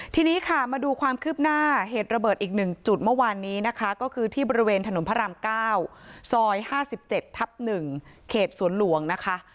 ทีนี้ค่ะมาดูความคืบหน้าเหตุระเบิดอีก๑จุดเมื่อวานนี้นะคะก็คือที่บริเวณถนนพระราม๙ซอย๕๗ทับ๑เขตสวนหลวงนะคะ